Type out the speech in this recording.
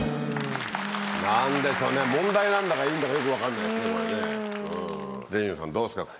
なんでしょね、問題なんだか、いいんだか、よく分からないですね。